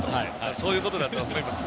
そういうことだと思います。